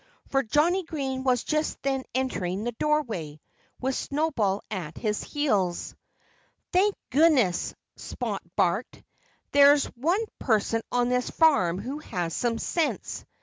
For Johnnie Green was just then entering the doorway, with Snowball at his heels. "Thank goodness," Spot barked, "there's one person on this farm who has some sense!